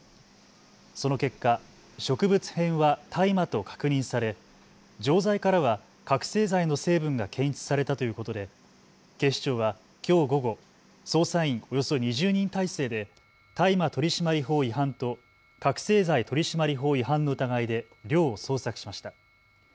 その結果、植物片は大麻と確認され錠剤からは覚醒剤の成分が検出されたということで警視庁はきょう午後、捜査員およそ２０人態勢で大麻取締法違反と覚醒剤取締法違反の疑いで寮を捜索しました。